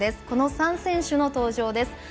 この３選手の登場です。